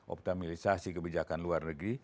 optimalisasi kebijakan luar negara